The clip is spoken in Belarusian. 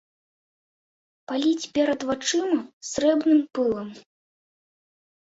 Пыліць перад вачыма срэбным пылам.